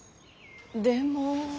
でも。